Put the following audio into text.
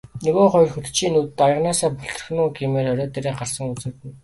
Нөгөө хоёр хөтчийн нүд аяганаасаа бүлтрэх нь үү гэмээр орой дээрээ гарсан үзэгдэнэ.